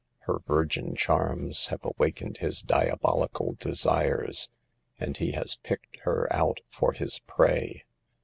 Her virgin charms have awakened his diabolical desires, and he has picked her out for his prey.